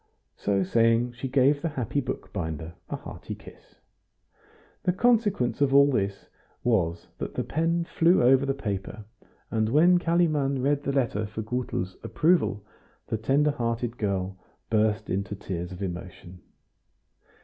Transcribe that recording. So saying she gave the happy bookbinder a hearty kiss. The consequence of all this was that the pen flew over the paper, and when Kalimann read the letter for Gutel's approval the tender hearted girl burst into tears of emotion.